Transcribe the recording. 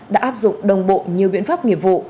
đã áp dụng đồng bộ nhiều biện pháp nghiệp vụ